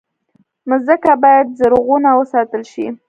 مځکه باید زرغونه وساتل شي.